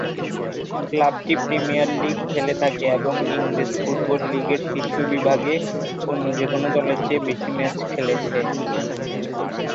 ক্লাবটি premier league খেলে থাকে এবং ইংরেজ ফুটবল লিগের শীর্ষ বিভাগে অন্য যেকোন দলের চেয়ে বেশি ম্যাচ খেলেছে।